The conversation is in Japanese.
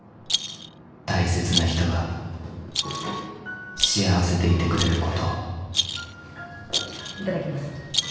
［大切な人が幸せでいてくれることを］いただきます。